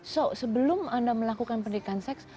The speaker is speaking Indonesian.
so sebelum anda melakukan pendidikan seks